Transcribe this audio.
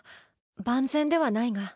万全ではないが。